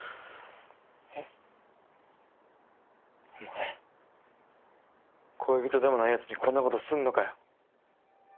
えっ？お前恋人でもないやつにこんなことすんのかよ。